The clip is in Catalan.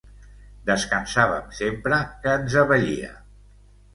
Descansàvem sempre que ens abellia.